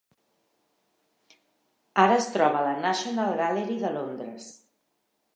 Ara es troba a la National Gallery de Londres.